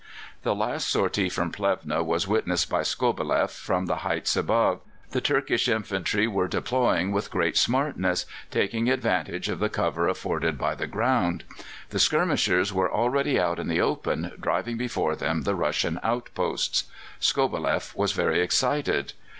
The last sortie from Plevna was witnessed by Skobeleff from the heights above. The Turkish infantry were deploying with great smartness, taking advantage of the cover afforded by the ground. The skirmishers were already out in the open, driving before them the Russian outposts. Skobeleff was very excited.